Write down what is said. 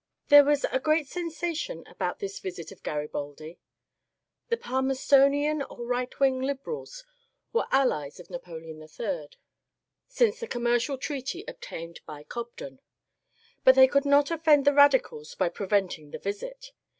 There was a great sensation about this visit of Garibaldi. The Palmerstonian or right wing liberals were allies of Napo leon III since the commercial treaty obtained by Cobden, but they could not offend the radicals by preventing the visit.